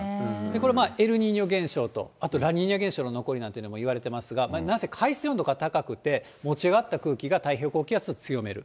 これ、エルニーニョ現象と、あと、ラニーニャ現象の残りなんていうのも言われてますが、なんせ海水温度が高くて持ち上がった空気が太平洋高気圧を強める。